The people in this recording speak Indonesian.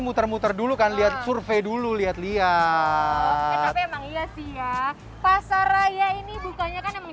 permuter dulu kan lihat survei dulu lihat lihat memang iya sih ya pasar raya ini bukanya kan